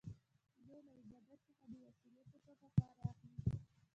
دوی له عبادت څخه د وسیلې په توګه کار اخلي.